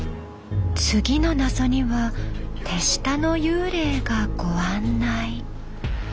次の謎には手下の幽霊がご案内。